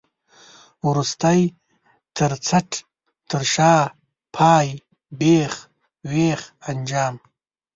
وروستی، تر څټ، تر شا، پای، بېخ، وېخ، انجام.